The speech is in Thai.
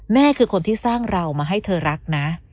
แม่คือคนที่สร้างเรามาให้เธอรักนะ